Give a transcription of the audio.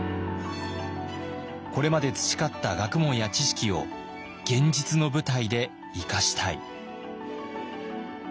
これまで培った学問や知識を現実の舞台で生かしたい。